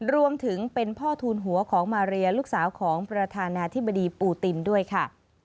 รวมถึงเป็นพ่อทูลหัวของมาเรียลูกสาวของประธานาธิบดีปูตินด้วยค่ะ